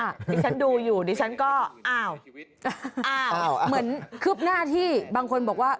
ดิฉันดูอยู่ดิฉันก็อ้าวเหมือนคืบหน้าที่บางคนบอกว่า